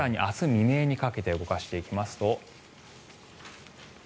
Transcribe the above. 未明にかけて動かしていきますと。